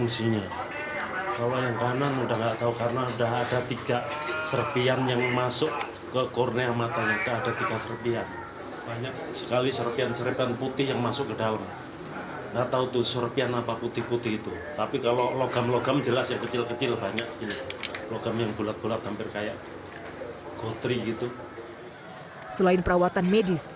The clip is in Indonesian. selain perawatan medis